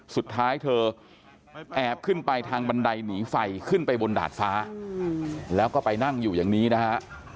สุดท้ายเธอแอบขึ้นไปทางบันไดหนีไฟขึ้นไปบนดาดฟ้าแล้วก็ไปนั่งอยู่อย่างนี้นะฮะ